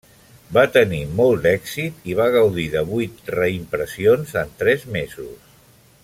Va tenir molt d'èxit i va gaudir de vuit reimpressions en tres mesos.